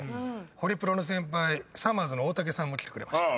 ホリプロの先輩さまぁずの大竹さんも来てくれました。